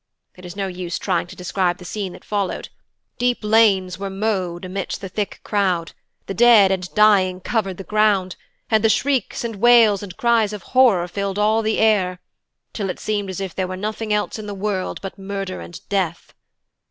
It is no use trying to describe the scene that followed. Deep lanes were mowed amidst the thick crowd; the dead and dying covered the ground, and the shrieks and wails and cries of horror filled all the air, till it seemed as if there were nothing else in the world but murder and death.